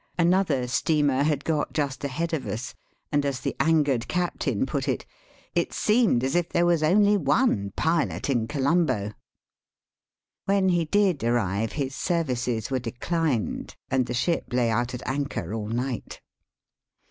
Another steamer had got just ahead of us, and, as the angered captain put it, ^* it seemed as if there was only one pilot in Colombo." "When he did arrive his services were declined, and the ship lay out at anchor all night.